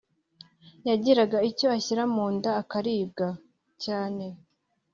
yagiraga icyo ashyira mu nda akaribwa cyane